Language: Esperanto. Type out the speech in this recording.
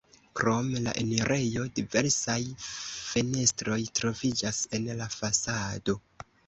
Krom la enirejo diversaj fenestroj troviĝas en la fasado.